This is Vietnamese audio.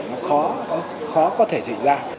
nó khó có thể dịch ra